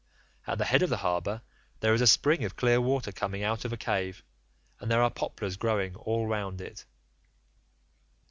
At the head of the harbour there is a spring of clear water coming out of a cave, and there are poplars growing all round it.